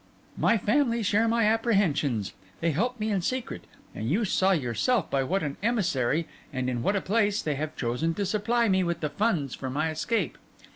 My family share my apprehensions; they help me in secret; and you saw yourself by what an emissary, and in what a place, they have chosen to supply me with the funds for my escape.